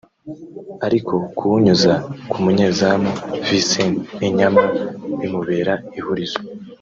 ariko kuwunyuza ku munyezamu Vinvent Enyeama bimubera ihurizo